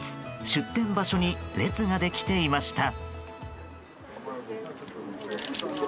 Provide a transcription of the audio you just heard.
出店場所に列ができていました。